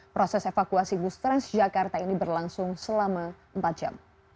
proses evakuasi bus transjakarta ini berlangsung selama empat jam